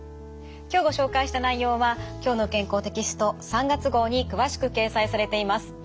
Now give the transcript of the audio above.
今日ご紹介した内容は「きょうの健康」テキスト３月号に詳しく掲載されています。